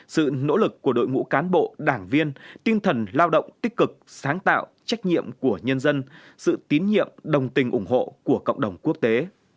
sự nỗ lực của đội ngũ cán bộ đảng viên tinh thần lao động tích cực sáng tạo trách nhiệm của nhân dân sự tín nhiệm đồng tình ủng hộ của cộng đồng quốc tế